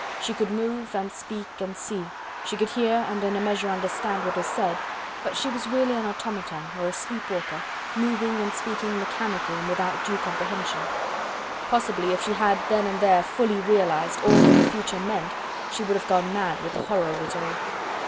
She could move and speak and see, she could hear and in a measure understand what was said, but she was really an automaton or a sleep walker, moving and speaking mechanically and without due comprehension. Possibly, if she had then and there fully realized all that the future meant, she would have gone mad with the horror of it all.